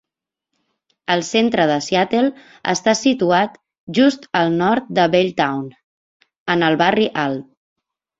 El centre de Seattle està situat just al nord de Belltown, en el barri alt.